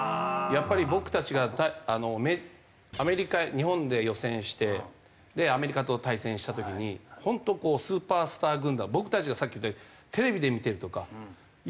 やっぱり僕たちがアメリカ日本で予選してアメリカと対戦した時に本当スーパースター軍団僕たちがさっき言ったようにテレビで見てるとかっていう選手が。